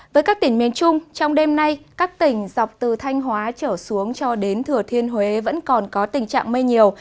với các tỉnh miền trung trong đêm nay các tỉnh dọc từ thanh hóa trở xuống cho đến thừa thiên huế vẫn còn có tình trạng mây nhiều